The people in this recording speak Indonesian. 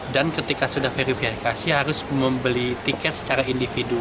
dan ketika sudah verifikasi harus membeli tiket secara individu